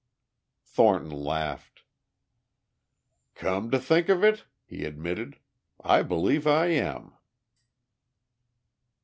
Thornton laughed. "Come to think of it," he admitted, "I believe I am."